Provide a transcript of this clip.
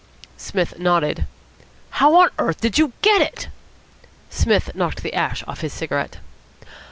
Psmith nodded. "How on earth did you get it?" Psmith knocked the ash off his cigarette.